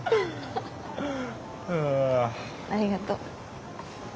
ありがとう。